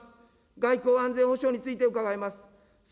外交安全保障について伺います。